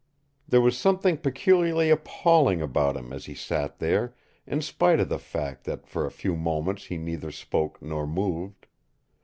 There was something peculiarly appalling about him as he sat there, in spite of the fact that for a few moments he neither spoke nor moved.